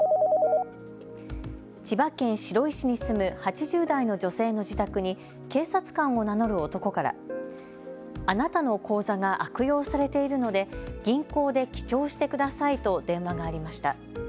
千葉県白井市に住む８０代の女性の自宅に警察官を名乗る男からあなたの口座が悪用されているので銀行で記帳してくださいと電話がありました。